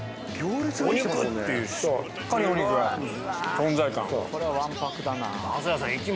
お肉！っていうしっかりお肉が存在感。